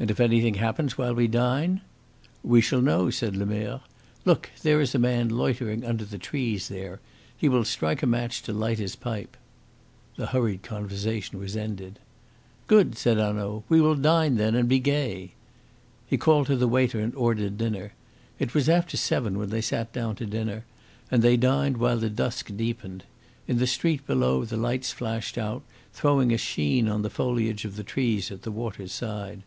"And if anything happens while we dine?" "We shall know," said Lemerre. "Look, there is a man loitering under the trees there. He will strike a match to light his pipe." The hurried conversation was ended. "Good," said Hanaud. "We will dine, then, and be gay." He called to the waiter and ordered dinner. It was after seven when they sat down to dinner, and they dined while the dusk deepened. In the street below the lights flashed out, throwing a sheen on the foliage of the trees at the water's side.